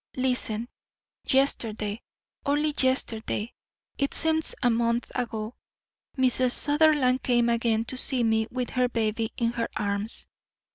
Listen. Yesterday, only yesterday, it seems a month ago, Mrs. Sutherland came again to see me with her baby in her arms.